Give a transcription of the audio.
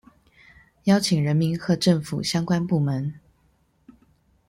邀請人民和政府相關部門